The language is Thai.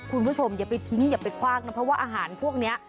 คุณผู้ชมอย่าไปทิ้งอย่าไปคว่างนะเพราะว่าอาหารพวกนี้